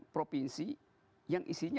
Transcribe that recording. provinsi yang isinya